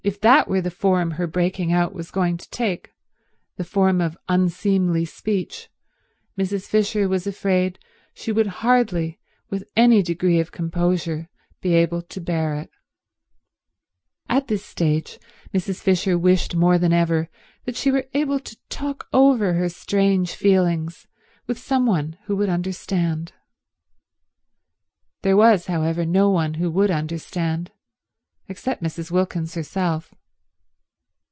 If that were the form her breaking out was going to take, the form of unseemly speech, Mrs. Fisher was afraid she would hardly with any degree of composure be able to bear it. At this stage Mrs. Fisher wished more than ever that she were able to talk over her strange feelings with some one who would understand. There was, however, no one who would understand except Mrs. Wilkins herself.